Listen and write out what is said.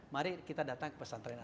mari kita datang ke pesantren